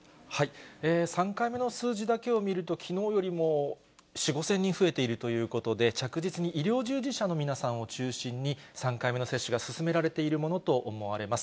３回目の数字だけを見ると、きのうよりも４、５０００人増えているということで、着実に医療従事者の皆さんを中心に３回目の接種が進められているものと思われます。